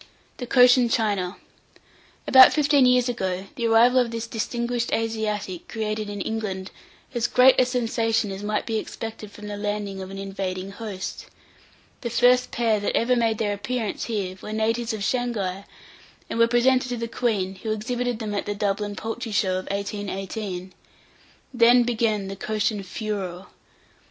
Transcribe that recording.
[Illustration: COCHIN CHINAS.] THE COCHIN CHINA. About fifteen years ago, the arrival of this distinguished Asiatic created in England as great a sensation as might be expected from the landing of an invading host. The first pair that ever made their appearance here were natives of Shanghai, and were presented to the queen, who exhibited them at the Dublin poultry show of 1818. Then began the "Cochin" furor.